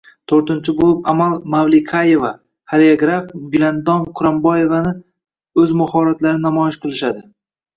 To‘rtinchi bo‘lib Amal Mavlikayeva - xoreograf Gulandom Quromboyevani o‘z mahoratlarini namoyish qilishadi.